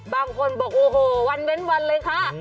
บางคนบอกโอ้โหวันเว้นวันเลยค่ะ